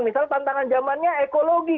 misalnya tantangan zamannya ekologi